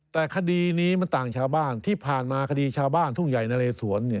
แต่คดีนี้มันต่างชาวบ้านที่ผ่านมาคดีชาวบ้านทุ่งใหญ่นะเลสวน